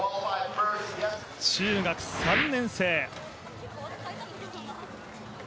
中学３年生。